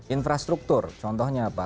infrastruktur contohnya apa